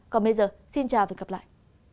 còn bây giờ xin chào và hẹn gặp lại